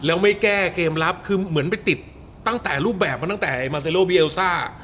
แล้วไม่แก้เกมรับคือเหมือนไปติดตั้งแต่รูปแบบมาตั้งแต่มาเซโลบีเอลซ่า